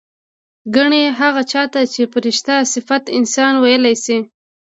ګنې هغه چا ته چې فرشته صفت انسان وييلی شي